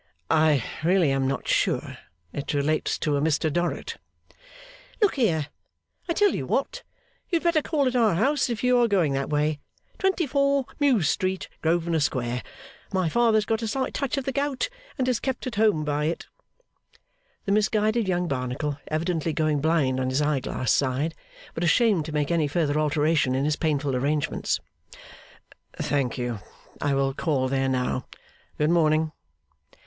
'I really am not sure. It relates to a Mr Dorrit.' 'Look here, I tell you what! You had better call at our house, if you are going that way. Twenty four, Mews Street, Grosvenor Square. My father's got a slight touch of the gout, and is kept at home by it.' (The misguided young Barnacle evidently going blind on his eye glass side, but ashamed to make any further alteration in his painful arrangements.) 'Thank you. I will call there now. Good morning.